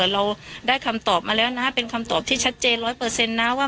เราได้คำตอบมาแล้วนะฮะเป็นคำตอบที่ชัดเจน๑๐๐นะว่า